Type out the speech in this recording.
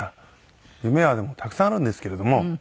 夢はでもたくさんあるんですけれども。